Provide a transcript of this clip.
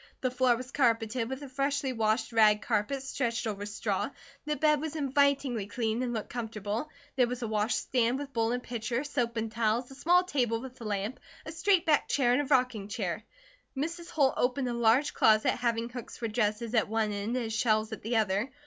The floor was carpeted with a freshly washed rag carpet stretched over straw, the bed was invitingly clean and looked comfortable, there was a wash stand with bowl and pitcher, soap and towels, a small table with a lamp, a straight backed chair and a rocking chair. Mrs. Holt opened a large closet having hooks for dresses at one end and shelves at the other.